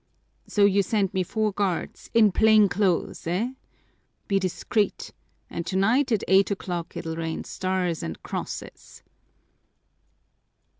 "So, you send me four guards in plain clothes, eh? Be discreet, and tonight at eight o'clock it'll rain stars and crosses."